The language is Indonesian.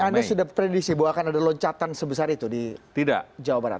anda sudah prediksi bahwa akan ada loncatan sebesar itu di jawa barat